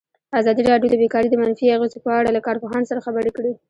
ازادي راډیو د بیکاري د منفي اغېزو په اړه له کارپوهانو سره خبرې کړي.